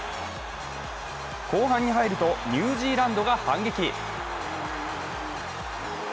後半に入ると、ニュージーランドが反撃。